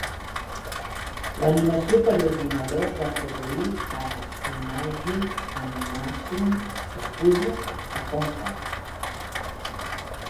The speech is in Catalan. L'animació per ordinador es va produir a Imagi Animation Studios, a Hong Kong.